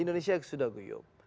indonesia sudah guyup